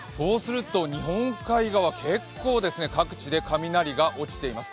日本海側、結構、各地で雷が落ちています。